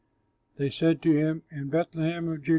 They said to him, "In Bethlehem of Judea."